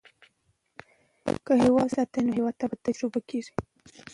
که یووالي وساتو نو هیواد نه تجزیه کیږي.